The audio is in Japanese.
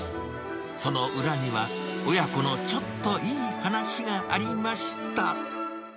その裏には、親子のちょっといい話がありました。